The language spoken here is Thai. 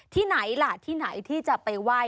ที่ไหนล่ะที่ไหนที่จะไปไหว้